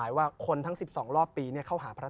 พระพุทธพิบูรณ์ท่านาภิรม